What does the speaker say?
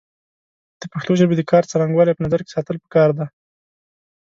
د پښتو ژبې د کار څرنګوالی په نظر کې ساتل پکار دی